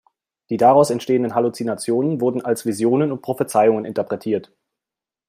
Die daraus entstehenden Halluzinationen wurden als Visionen und Prophezeiungen interpretiert.